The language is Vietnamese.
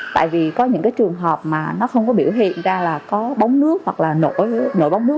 tại vì có những cái trường hợp mà nó không có biểu hiện ra là có bóng nước hoặc là nổi bóng nước